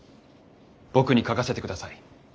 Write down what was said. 僕に書かせてください。